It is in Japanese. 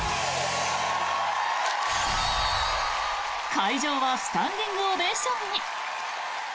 会場はスタンディングオベーションに。